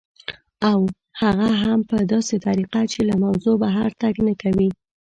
او هغه هم په داسې طریقه چې له موضوع بهر تګ نه کوي